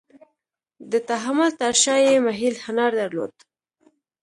د تحمل تر شا یې محیل هنر درلود.